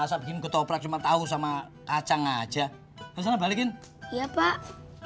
ya masa bikin ketoprak cuma tahu sama kacang aja balikin ya pak